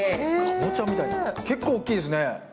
結構大きいですね。